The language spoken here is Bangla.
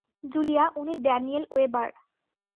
জুলিয়া, উনি ড্যানিয়েল ওয়েবার।